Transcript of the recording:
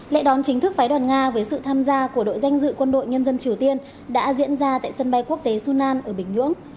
lễ đón chính thức phái đoàn nga với sự tham gia của đội danh dự quân đội nhân dân triều tiên đã diễn ra tại sân bay quốc tế sunan ở bình nhưỡng